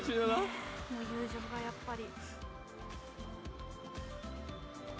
友情がやっぱり。